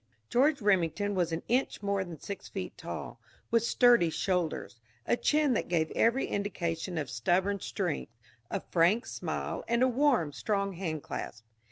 George Remington was an inch more than six feet tall, with sturdy shoulders, a chin that gave every indication of stubborn strength, a frank smile, and a warm, strong handclasp.